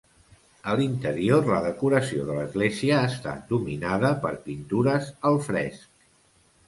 A l'interior, la decoració de l'església està dominada per pintures al fresc.